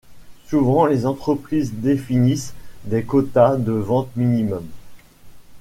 Souvent les entreprises définissent des quota de ventes minimum.